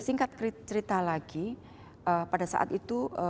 singkat cerita lagi pada saat itu